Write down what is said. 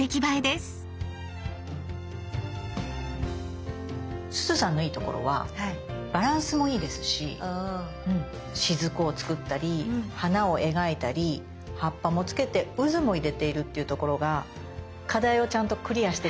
すずさんのいいところはバランスもいいですし滴を作ったり花を描いたり葉っぱもつけてうずも入れているっていうところが課題をちゃんとクリアしてるなと思いました。